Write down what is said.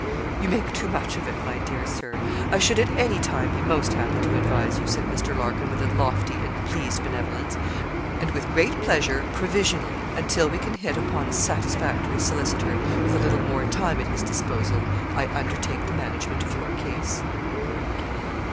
'You make too much of it, my dear Sir. I should at any time be most happy to advise you,' said Mr. Larkin, with a lofty and pleased benevolence, 'and with great pleasure, provisionally, until we can hit upon a satisfactory solicitor with a little more time at his disposal, I undertake the management of your case.'